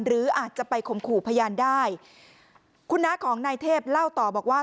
หรืออาจจะไปข่มขู่พยานได้คุณน้าของนายเทพเล่าต่อบอกว่า